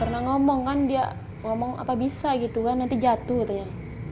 pernah ngomong kan dia ngomong apa bisa gitu kan nanti jatuh katanya